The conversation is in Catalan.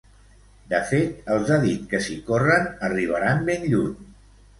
De fet, els ha dit que si corren arribaran ben lluny.